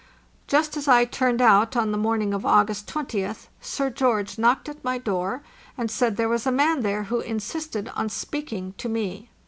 Just as I had turned out on the morning of August 20th, Sir George knocked at my door and said there was a man there who insisted on speaking to me.